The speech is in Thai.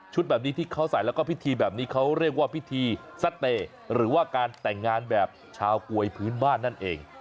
แบบนี้ที่เขาใส่แล้วก็พิธีแบบนี้เขาเรียกว่าพิธีสเตย์หรือว่าการแต่งงานแบบชาวกวยพื้นบ้านนั่นเอง